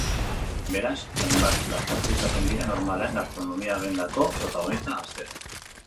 Beraz, hainbat dastatze izaten dira normalean gastronomia-agendako protagonista astero.